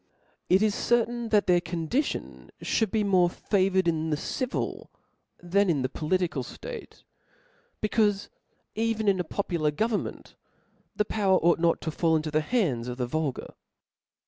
It is certain that their condition Ihould be more favoured in the civile than in the political ftatc) 4 becaufci OF LAWS. 367 becaufe, even in a popular governtnent, the power Book .ought not to fall into the hands of the vulgar.